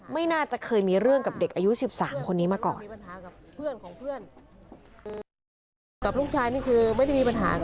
ไม่น่าจะเคยมีเรื่องกับเด็ก